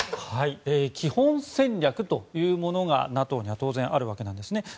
基本戦略というものがＮＡＴＯには当然、あるわけなんですね。